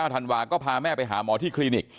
ธันวาก็พาแม่ไปหาหมอที่คลินิก